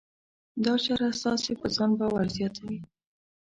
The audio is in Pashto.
دا چاره ستاسې په ځان باور زیاتوي.